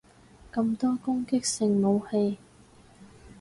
咁多攻擊性武器